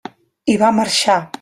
I va marxar.